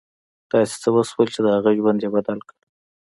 داسې څه وشول چې د هغه ژوند یې بدل کړ